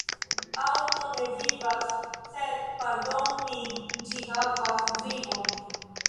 Aŭto ne vivas sed – pardonu min – ĝi havas vivon.